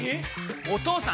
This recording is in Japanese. お義父さん！